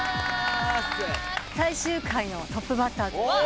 最終回のトップバッター。